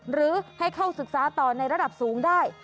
หรือให้เข้าศึกษาต่อในระดับสูงได้